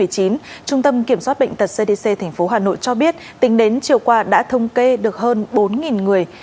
trung tâm kiểm soát bệnh tật cdc tp hà nội cho biết tính đến chiều qua đã thông kê được hơn bốn người